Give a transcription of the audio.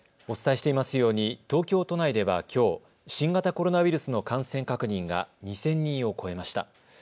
お伝えしていますように東京都内ではきょう、新型コロナウイルスの感染確認が２０００人を超えました。